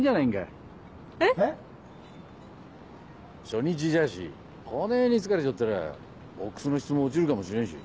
初日じゃしこねぇに疲れちょったらボックスの質も落ちるかもしれんし。